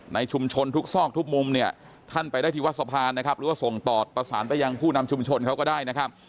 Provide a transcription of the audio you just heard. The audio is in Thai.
ในชุมชนทุกซอกทุกมุมเนี่ยท่านไปได้ที่วัดสะพานนะครับหรือว่าส่งต่อประสานไปยังผู้นำชุมชนเขาก็ได้นะครับ